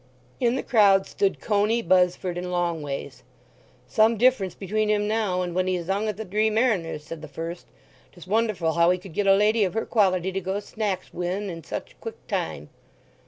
In the crowd stood Coney, Buzzford, and Longways. "Some difference between him now and when he zung at the Dree Mariners," said the first. "'Tis wonderful how he could get a lady of her quality to go snacks wi' en in such quick time."